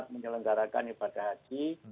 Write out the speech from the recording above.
menyelenggarakan ibadah haji